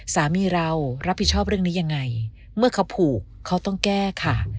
สามีเรารับผิดชอบเรื่องนี้ยังไงเมื่อเขาผูกเขาต้องแก้ค่ะ